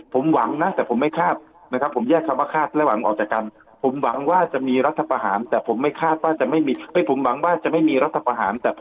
ผมหวังนะแต่ผมไม่คาดนะครับผมแยกคำว่าคาดแล้วหวังออกจากกันผมหวังว่าจะมีรัฐประหารแต่ผมไม่คาดว่าจะไม่มีรัฐประหาร